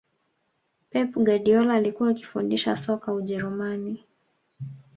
pep guardiola alikuwa akifundisha soka ujerumani